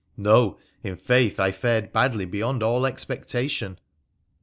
' No ! in faith I fared badly beyond all expectation.'